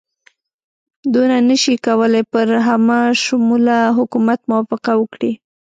دوی نه شي کولای پر همه شموله حکومت موافقه وکړي.